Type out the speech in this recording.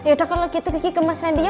yaudah kalau gitu gigi kemas randy ya